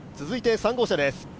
続いて３号車です。